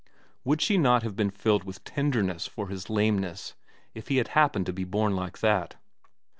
Would she not have been filled with tenderness for his lameness if he had happened to be born like that